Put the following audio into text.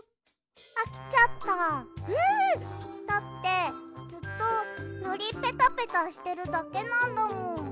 だってずっとのりペタペタしてるだけなんだもん。